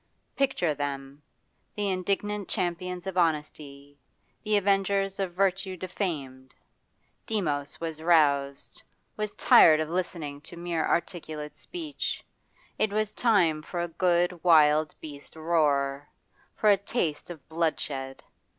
Picture them, the indignant champions of honesty, the avengers of virtue defamed! Demos was roused, was tired of listening to mere articulate speech; it was time for a good wild beast roar, for a taste of bloodshed.